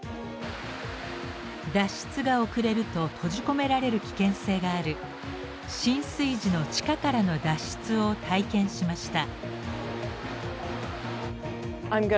脱出が遅れると閉じ込められる危険性がある浸水時の地下からの脱出を体験しました。